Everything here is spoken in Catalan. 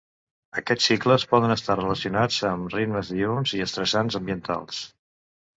Aquests cicles poden estar relacionats amb ritmes diürns i estressants ambientals.